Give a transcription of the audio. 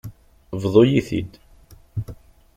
Bḍu-yi-t-id.